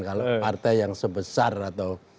kalau partai yang sebesar atau